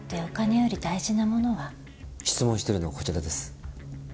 質問してるのはこちらです。